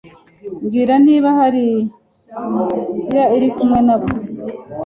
Mbwira niba hari Latiyani iri kumwe nabo